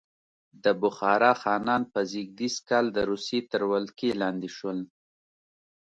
د بخارا خانان په زېږدیز کال د روسیې تر ولکې لاندې شول.